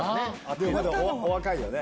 でもまだお若いよね。